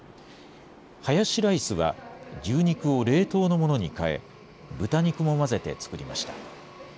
ハヤシライスは、牛肉を冷凍のものに変え、豚肉も混ぜて作りました。